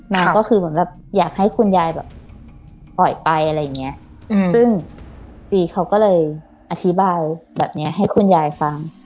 ก็คือเหมือนแบบอยากให้คุณยายแบบปล่อยไปอะไรอย่างเงี้ยซึ่งจีเขาก็เลยอธิบายแบบนี้ให้คุณยายฟัง